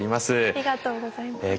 ありがとうございます。